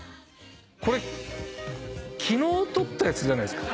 これ昨日撮ったやつじゃないですか？